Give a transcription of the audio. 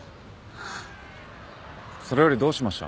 それよりどうしました？